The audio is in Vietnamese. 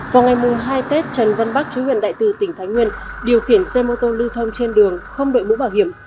vào ngày hai tết trần văn bắc chú huyện đại từ tỉnh thái nguyên điều khiển xe mô tô lưu thông trên đường không đội mũ bảo hiểm